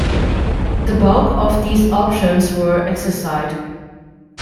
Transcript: The bulk of these options were exercised.